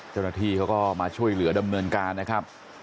เจ้าหน้าที่เขาก็มาช่วยเหลือดำเนินการนะครับ